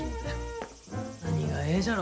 何がええじゃろう。